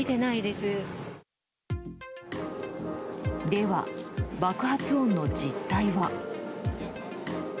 では、爆発音の実態は？